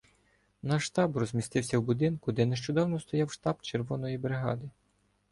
Наш штаб розмістився в будинку, де нещодавно стояв штаб червоної бригади.